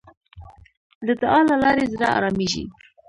د دعا له لارې زړه آرامېږي.